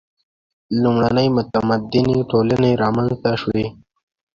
• لومړنۍ متمدنې ټولنې رامنځته شوې.